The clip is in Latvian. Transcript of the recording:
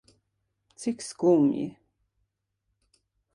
Cik skumji.